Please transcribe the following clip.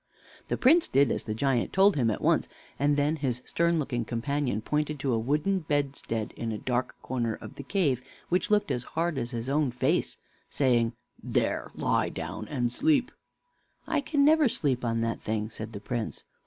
The Prince did as the giant told him at once, and then his stern looking companion pointed to a wooden bedstead in a dark corner of the cave, which looked as hard as his own face, saying: "There, lie down and sleep." "I can never sleep on that thing," said the Prince.